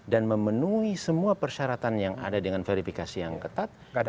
dan memenuhi semua persyaratan yang ada dengan verifikasi yang ketat